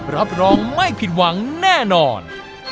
รับรองไม่ผิดหวังแน่นอน